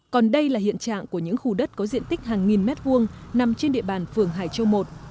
còn đây là hiện trạng của những khu đất có diện tích hàng nghìn mét vuông nằm trên địa bàn phường hải châu i